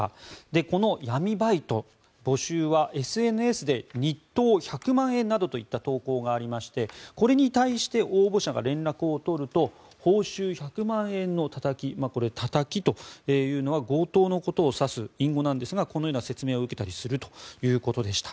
この闇バイト募集はＳＮＳで日当１００万円などといった投稿がありましてこれに対して応募者が連絡を取ると報酬１００万円のたたきたたきというのは強盗のことを指す隠語なんですがこのような説明を受けたりするということでした。